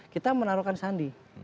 kita menaruhkan sandi